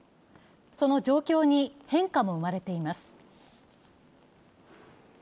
その状況に変化も生まれています。